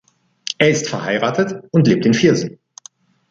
Er ist verheiratet und lebt in Viersen.